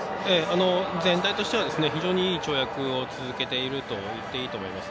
全体としては非常にいい跳躍を続けていると言っていいと思います。